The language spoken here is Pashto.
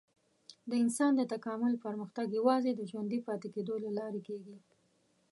د انسان د تکامل پرمختګ یوازې د ژوندي پاتې کېدو له لارې کېږي.